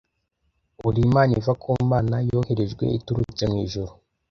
Uri impano iva ku Mana, yoherejwe iturutse mu Ijuru.